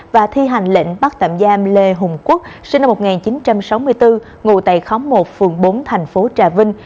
và thi hành lệnh bắt tạm giam lê hùng quốc sinh năm một nghìn chín trăm sáu mươi bốn ngủ tại khóm một phường bốn thành phố trà vinh